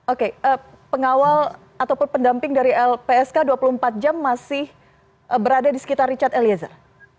oke pengawal ataupun pendamping dari lpsk dua puluh empat jam masih berada di sekitar richard eliezer